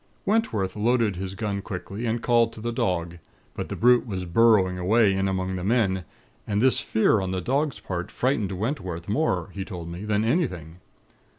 "Wentworth loaded his gun quickly, and called to the dog; but the brute was burrowing away in among the men; and this fear on the dog's part frightened Wentworth more, he told me, than anything.